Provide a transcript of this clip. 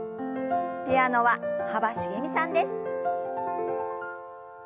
ピアノは幅しげみさんです。